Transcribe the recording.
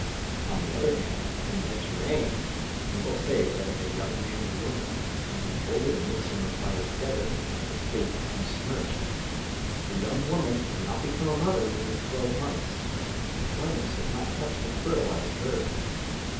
On the other hand, in Lechrain people say that if a young man and woman, leaping over the midsummer fire together, escape unsmirched, the young woman will not become a mother within twelve months; the flames have not touched and fertilised her.